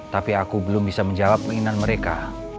tapi aku belum bisa menjawab keinginan mereka